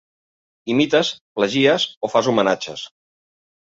Imites, plagies o fas homenatges.